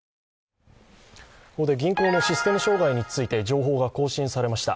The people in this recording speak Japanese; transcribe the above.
ここで銀行のシステム障害について情報が更新されました。